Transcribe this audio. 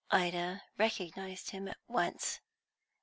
Ida had recognised him at once.